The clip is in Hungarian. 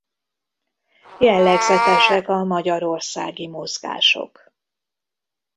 Jellegzetesek a magyarországi mozgások.